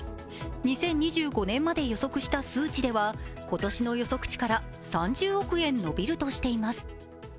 ２０２５年まで予測した数値では今年の予測値から３０億円伸びるとしています。